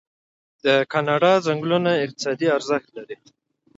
د کاناډا ځنګلونه اقتصادي ارزښت لري.